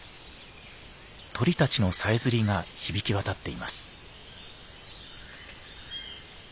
鳥たちのさえずりが響き渡っています。